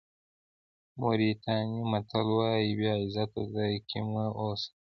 موریتاني متل وایي بې عزته ځای کې مه اوسئ.